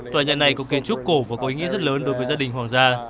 tòa nhà này có kiến trúc cổ và có ý nghĩa rất lớn đối với gia đình hoàng gia